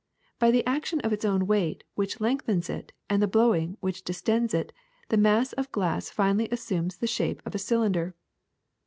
By the action of its o^Yn weight, which lengthens it, and the blowing, which distends it, the mass of glass finally assumes the shape of a cylinder.